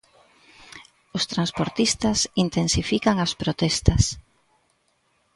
Os transportistas intensifican as protestas.